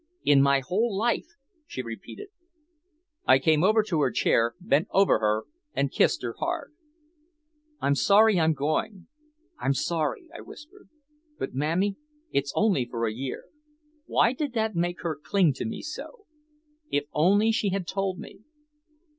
In my whole life," she repeated. I came over to her chair, bent over her and kissed her hard. "I'm sorry I'm going! I'm sorry!" I whispered. "But mammy! It's only for a year!" Why did that make her cling to me so? If only she had told me.